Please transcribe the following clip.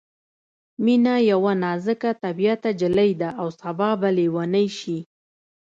مينه یوه نازک طبعیته نجلۍ ده او سبا به ليونۍ شي